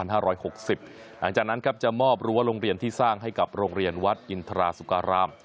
หลังจากนั้นครับจะมอบรั้วโรงเรียนที่สร้างให้กับโรงเรียนวัดอินทราสุการาม